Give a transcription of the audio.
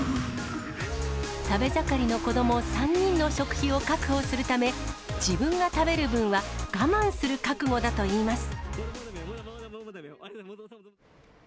食べ盛りの子ども３人の食費を確保するため、自分が食べる分は我慢する覚悟だといいます。